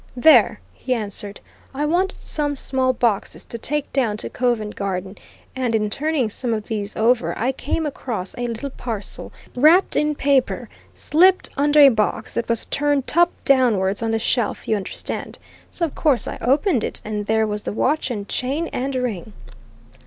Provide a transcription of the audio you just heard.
"There!" he answered. "I wanted some small boxes to take down to Covent Garden, and in turning some of these over I came across a little parcel, wrapped in paper slipped under a box that was turned top downwards on the shelf, you understand? So of course I opened it, and there was the watch and chain and ring."